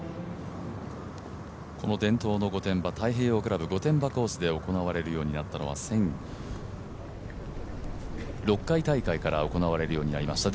この伝統の御殿場太平洋クラブ御殿場コースで行われるようになったのは６回大会から行われるようになりました。